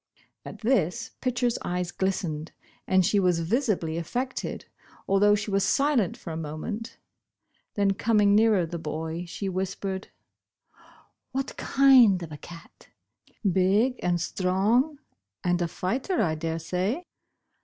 At this Pitcher's eyes glistened, and she was visi bly affected, although she was silent for a moment. Then coming nearer the boy, she whispered : 1 6 Bosh Bosh Oil. ''What kind of a cat? Big and strong and a fighter, I daresay?"